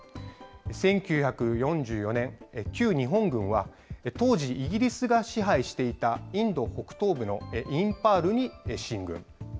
１９４４年、旧日本軍は、当時、イギリスが支配していたインド北東部のインパールに進軍。